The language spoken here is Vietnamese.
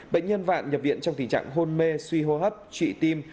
bệnh nhân vạn nhập viện trong tình trạng hôn mê suy hô hấp trụy tim